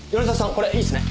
これいいですね？